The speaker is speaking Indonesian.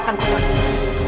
dan perbuatan kamu sendiri